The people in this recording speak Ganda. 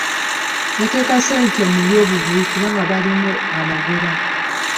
Yateeka ssente mu by'obuvubi kubanga balimu amagoba.